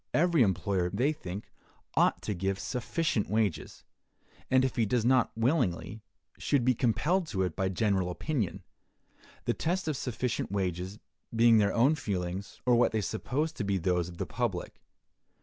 Every employer, they think, ought to give sufficient wages; and if he does it not willingly, should be compelled to it by general opinion; the test of sufficient wages being their own feelings, or what they suppose to be those of the public.